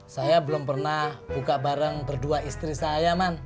saya belum pernah buka bareng berdua istri saya man